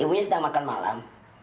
ibunya sudah makan malam